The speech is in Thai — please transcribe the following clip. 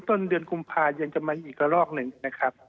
ต้นเดือนกุมภายังจะมาอีกละลอกหนึ่งนะครับ